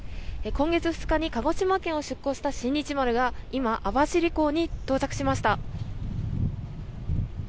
今月２日に鹿児島県を出発した「新日丸」が今、網走港に到着しました。